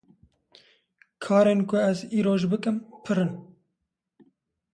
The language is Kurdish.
Karên ku ez îroj bikim, pir in.